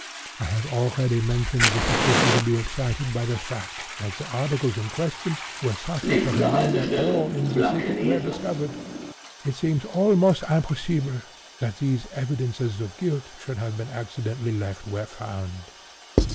I have already mentioned the suspicion to be excited by the fact that the articles in question were suffered to remain at all in the thicket where discovered. It seems almost impossible that these evidences of guilt should have been accidentally left where found.